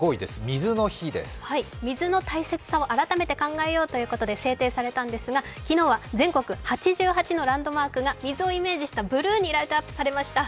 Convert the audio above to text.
水の大切さを改めて考えよということで制定されたんですが、昨日は全国８８のランドマークが水をイメージしたブルーにライトアップされました。